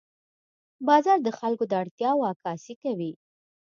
بازار د خلکو د اړتیاوو عکاسي کوي.